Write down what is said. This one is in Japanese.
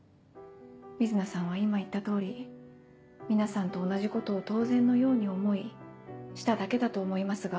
瑞奈さんは今言った通り皆さんと同じことを当然のように思いしただけだと思いますが。